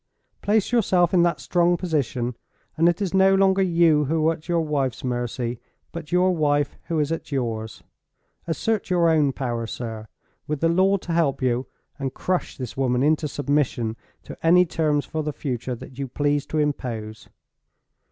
Place yourself in that strong position, and it is no longer you who are at your wife's mercy, but your wife who is at yours. Assert your own power, sir, with the law to help you, and crush this woman into submission to any terms for the future that you please to impose."